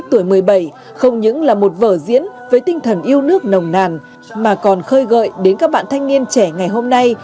năm tuổi một mươi bảy không những là một vở diễn với tinh thần yêu nước nồng nàn mà còn khơi gợi đến các bạn thanh niên trẻ ngày hôm nay